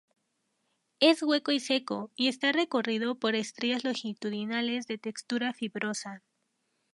Es hueco y seco, y está recorrido por estrías longitudinales de textura fibrosa.